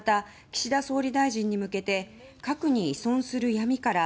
岸田総理大臣に向けて核に依存する闇から